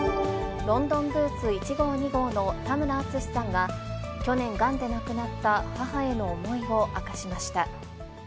ロンドンブーツ１号２号の田村淳さんが、去年、がんで亡くなった母への思いを明かしました。